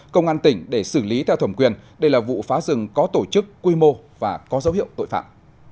công an tỉnh để xử lý theo thẩm quyền đây là vụ phá rừng có tổ chức quy mô và có dấu hiệu tội phạm